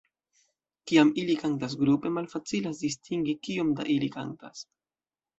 Kiam ili kantas grupe, malfacilas distingi kiom da ili kantas.